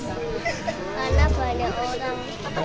karena banyak orang